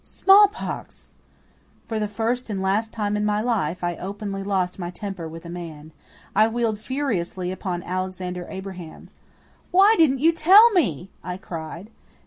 Smallpox! For the first and last time in my life, I openly lost my temper with a man. I wheeled furiously upon Alexander Abraham. "Why didn't you tell me?" I cried.